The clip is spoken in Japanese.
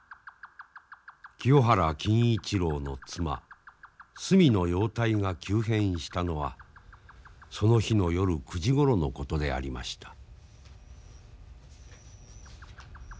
清原欽一郎の妻澄の容体が急変したのはその日の夜９時ごろのことでありました。